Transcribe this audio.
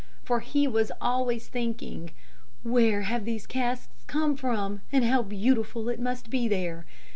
For he was always thinking, "Where have these casks come from and how beautiful it must be there!"